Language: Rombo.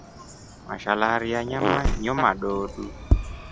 Mashalari ya nyama nyomadoodu.